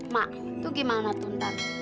mak itu gimana tuh ntar